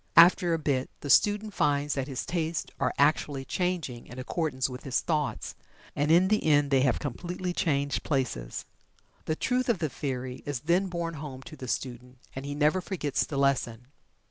After a bit the student finds that his tastes are actually changing in accordance with his thoughts, and in the end they have completely changed places. The truth of the theory is then borne home to the student, and he never forgets the lesson.